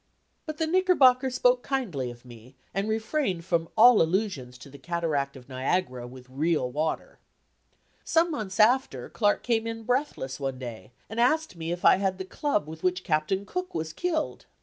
But the Knickerbocker spoke kindly of me, and refrained from all allusions to "the Cataract of Niagara, with real water." Some months after, Clark came in breathless one day, and asked me if I had the club with which Captain Cook was killed?